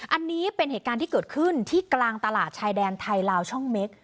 อันนี้เป็นเหตุการณ์ที่เกิดขึ้นที่กลางตลาดชายแดนไทยลาวช่องเม็ก